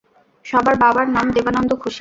সবার বাবার নাম দেবানন্দ, খুশি?